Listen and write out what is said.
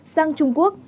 sang trung quốc